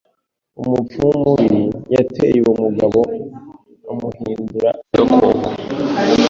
Umupfumu mubi yateye uwo mugabo amuhindura agakoko.